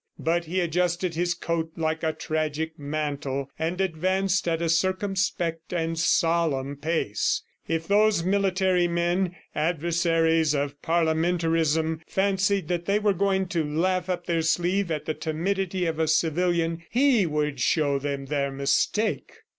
But he adjusted his coat like a tragic mantle and advanced at a circumspect and solemn pace. If those military men, adversaries of parliamentarism, fancied that they were going to laugh up their sleeve at the timidity of a civilian, he would show them their mistake!